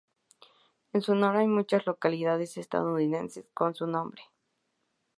En su honor hay muchas localidades estadounidenses con su nombre.